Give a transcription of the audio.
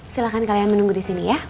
silahkan kalian menunggu di sini ya